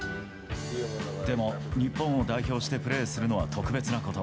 でも日本を代表してプレーするのは特別なこと。